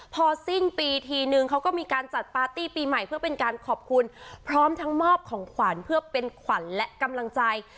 พอสิ้นปีทีนึงเขาก็มีการจัดปาร์ตี้ปีใหม่เพื่อเป็นการขอบคุณพร้อมทั้งมอบของขวัญเพื่อเป็นขวัญและกำลังใจ